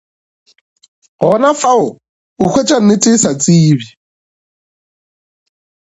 Gona fao o hwetše nnete e sa tsebje.